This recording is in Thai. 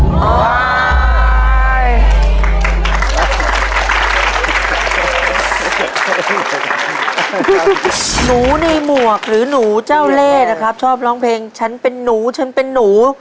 หนูในหมวกหรือหนูเจ้าเล่นะครับชอบร้องเพลงฉันเป็นหนูฉันเป็นหนู